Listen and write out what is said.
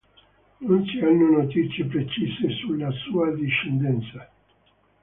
Non si hanno notizie precise sulla sua discendenza.